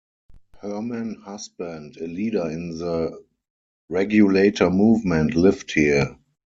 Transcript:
Herman Husband, a leader in the Regulator Movement lived here.